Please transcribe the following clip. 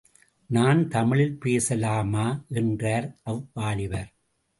நான் தமிழில் பேசலாமா? என்றார், அவ்வாலிபர்.